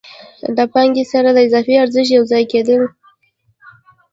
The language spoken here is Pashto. له پانګې سره د اضافي ارزښت یو ځای کېدل